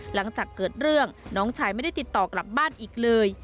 หลังจากเกิดเรื่องน้องชายไม่ได้ติดต่อกลับบ้านอีกเลย